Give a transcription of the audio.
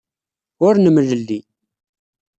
Ur nemlelli.